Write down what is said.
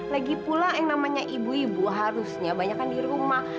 lagi pula yang namanya ibu ibu harusnya banyak kan di rumah